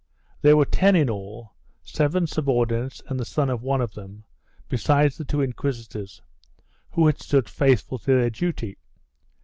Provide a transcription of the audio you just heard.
There were ten in all — seven subordinates and the son of one of them, besides the two inquisitors — who had stood faithful to their duty.